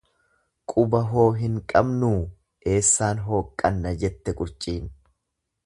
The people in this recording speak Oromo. Quba hoo hin qabnuu eessaan hooqqannaa jette qurciin.